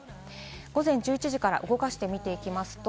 午前１１時から動かしていきます。